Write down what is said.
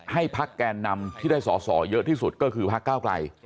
ให้ภักร์แกนนำที่ได้สอเยอะที่สุดก็คือภักร์ก้าวกลาย